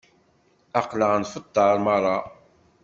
Aql-aɣ nfeṭṭer merra.